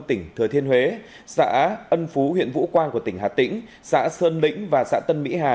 tỉnh thừa thiên huế xã ân phú huyện vũ quang của tỉnh hà tĩnh xã sơn lĩnh và xã tân mỹ hà